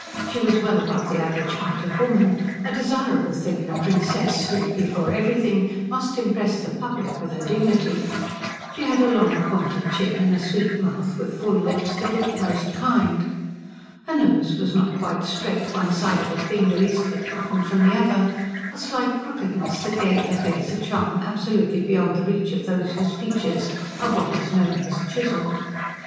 She was well above the average height of woman; a desirable thing in a princess, who, before everything, must impress the public with her dignity. She had a long pointed chin, and a sweet mouth with full lips that looked most kind. Her nose was not quite straight, one side of it being the least bit different from the other, a slight crookedness that gave her face a charm absolutely beyond the reach of those whose features are what is known as chiselled.